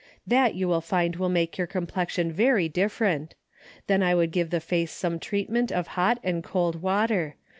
That you will find will make your comjDlexion very differ ent. Then I would give the face some treat ment of hot and cold water.